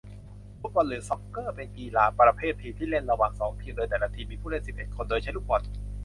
ฟุตบอล หรือ ซอกเกอร์ เป็นกีฬาประเภททีมที่เล่นระหว่างสองทีมโดยแต่ละทีมมีผู้เล่นสิบเอ็ดคน โดยใช้ลูกบอล